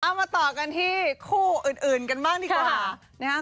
เอามาต่อกันที่คู่อื่นกันบ้างดีกว่า